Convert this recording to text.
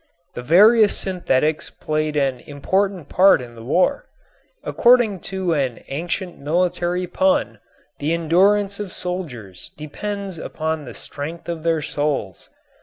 The various synthetics played an important part in the war. According to an ancient military pun the endurance of soldiers depends upon the strength of their soles.